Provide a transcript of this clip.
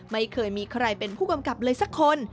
ไม่เคยมีใครเป็นผู้กำกับเลยสักคน